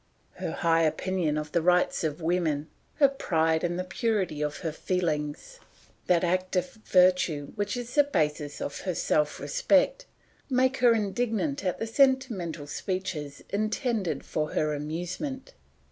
Her high opinion of the rights of women, her pride in the purity of her feelings, that active virtue which is the basis of her self respect, make her indignant at the sentimental speeches intended for her amusement.